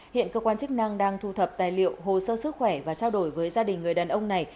hiện cơ quan chức năng đang thu thập tài liệu hồ sơ sức khỏe và trao đổi với gia đình người đàn ông này